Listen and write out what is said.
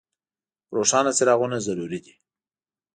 روښانه څراغونه ضروري دي.